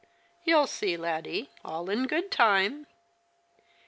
" You'll see, Laddie, all in good time."